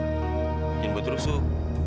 mungkin buat rusuh